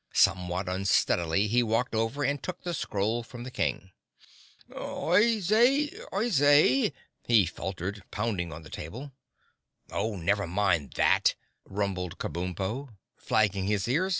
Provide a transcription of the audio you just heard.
Somewhat unsteadily he walked over and took the scroll from the King. "Oyez! Oyez!" he faltered, pounding on the table. "Oh, never mind that!" rumbled Kabumpo, flagging his ears.